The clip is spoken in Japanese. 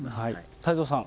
太蔵さん。